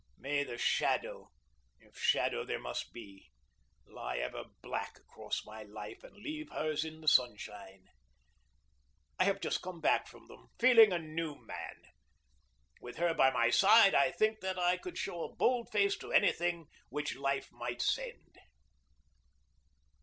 May the shadow, if shadow there must be, lie ever black across my life and leave hers in the sunshine. I have just come back from them, feeling a new man. With her by my side I think that I could show a bold face to any thing which life might send.